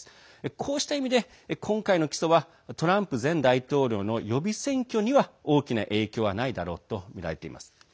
こうした意味で今回の起訴はトランプ前大統領の予備選挙には大きな影響はないだろうとみられています。